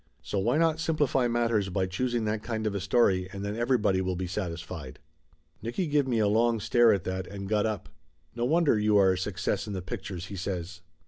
So why not simplify matters by choosing that kind of a story, and then everybody will be satisfied ?" Nicky give me a long stare at that, and got up. "No wonder you are a success in the pictures !" he says.